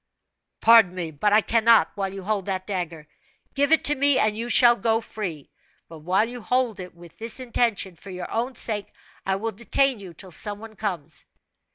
"Pardon me, but I cannot, while you hold that dagger. Give it to me, and you shall go free; but while you hold it with this intention, for your own sake, I will detain you till some one comes."